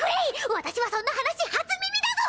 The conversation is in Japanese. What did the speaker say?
私はそんな話初耳だぞ！